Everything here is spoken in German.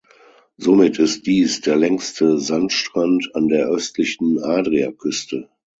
Somit ist dies der längste Sandstrand an der östlichen Adriaküste.